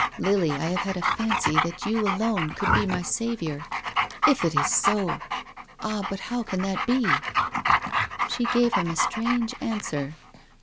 Lily, I have had a fancy that you alone could be my saviour. If it is so ! Ah, but how can that be?" She gave him a strange answer.